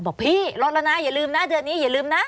บอกพี่ลดแล้วนะอย่าลืมนะเดือนนี้อย่าลืมนะ